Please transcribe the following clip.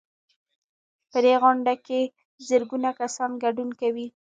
په دې غونډه کې زرګونه کسان ګډون کوي.